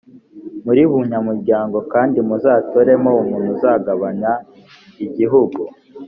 muri buri muryango kandi muzatoremo umuntu uzagabanya igihugu.